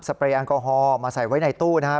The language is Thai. เปรย์แอลกอฮอลมาใส่ไว้ในตู้นะครับ